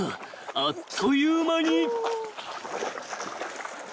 ［あっという間に］